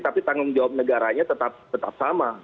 tapi tanggung jawab negaranya tetap sama